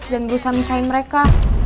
dan gue samisain mereka